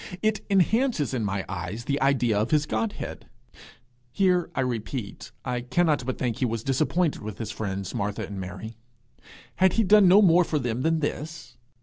It enhances in my eyes the idea of his Godhead. Here, I repeat, I cannot but think that he was disappointed with his friends Martha and Mary. Had he done no more for them than this?